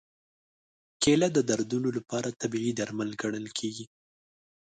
کېله د دردونو لپاره طبیعي درمل ګڼل کېږي.